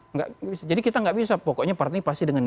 enggak bisa jadi kita enggak bisa pokoknya partai ini pasti dengan ini